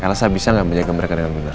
elsa bisa gak menjaga mereka dengan benar